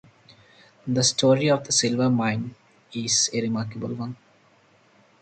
The story of the silver mine is a remarkable one.